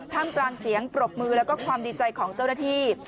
กลางเสียงปรบมือแล้วก็ความดีใจของเจ้าหน้าที่